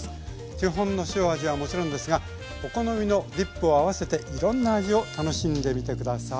基本の塩味はもちろんですがお好みのディップを合わせていろんな味を楽しんでみて下さい。